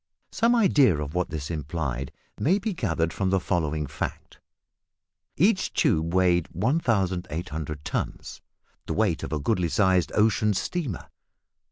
Some idea of what this implied may be gathered from the following fact. Each tube weighed 1800 tons the weight of a goodly sized ocean steamer!